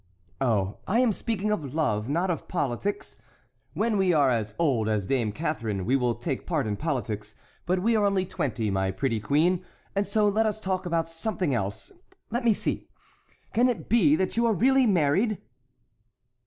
"Oh, I am speaking of love, not of politics. When we are as old as dame Catharine we will take part in politics; but we are only twenty, my pretty queen, and so let us talk about something else. Let me see! can it be that you are really married?"